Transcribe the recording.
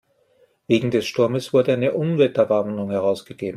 Wegen des Sturmes wurde eine Unwetterwarnung herausgegeben.